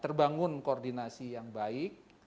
terbangun koordinasi yang baik